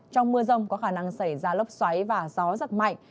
trong mưa rông có khả năng xảy ra lốc xoáy và gió giật mạnh